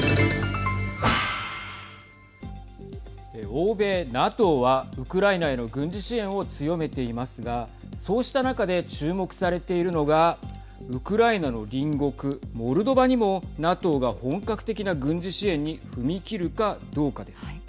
欧米、ＮＡＴＯはウクライナへの軍事支援を強めていますがそうした中で注目されているのがウクライナの隣国モルドバにもＮＡＴＯが本格的な軍事支援に踏み切るかどうかです。